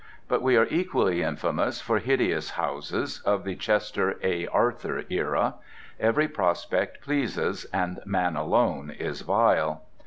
But we are equally infamous for hideous houses, of the Chester A. Arthur era. Every prospect pleases, and man alone is vile.